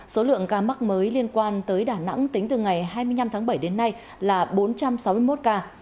số lượng ca mắc mới liên quan tới đà nẵng tính từ ngày hai mươi năm tháng bảy đến nay là bốn trăm sáu mươi một ca